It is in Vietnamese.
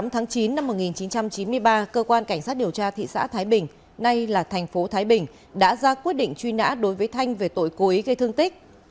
một mươi tháng chín năm một nghìn chín trăm chín mươi ba cơ quan cảnh sát điều tra thị xã thái bình nay là thành phố thái bình đã ra quyết định truy nã đối với thanh về tội cố ý gây thương tích